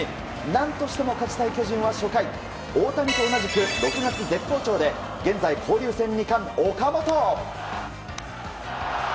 何としても勝ちたい巨人は初回大谷と同じく６月絶好調で現在交流戦２冠、岡本。